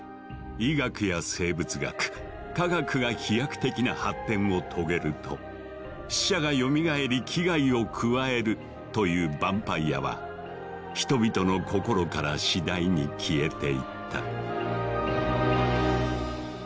医学や生物学化学が飛躍的な発展を遂げると死者がよみがえり危害を加えるというバンパイアは人々の心から次第に消えていった。